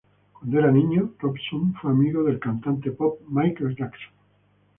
Cuando era niño, Robson fue amigo del cantante pop Michael Jackson.